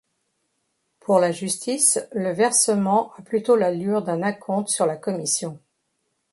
Pour la justice, le versement a plutôt l'allure d'un acompte sur la commission.